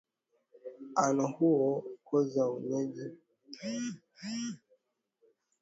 ano huo ulioongozwa na mwenyeji wake ahmad zahid hamid